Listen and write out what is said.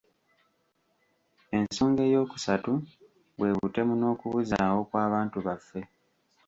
Ensoga eyokusatu, bwe butemu n'okubuzaawo kw'abantu baffe.